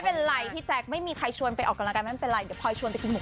โอ้โหให้มันจบให้มันจบ